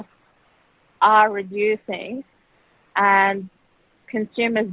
dan kita membutuhkan reformasi dalam jaringan distribusi energi